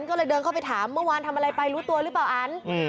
ก็เลยเดินเข้าไปถามเมื่อวานทำอะไรไปรู้ตัวหรือเปล่าอัน